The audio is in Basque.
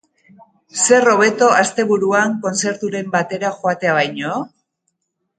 Zer hobeto asteburuan kontzerturen batera joatea baino?